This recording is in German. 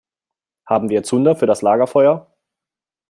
Haben wir Zunder für das Lagerfeuer?